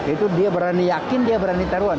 itu dia berani yakin dia berani taruhan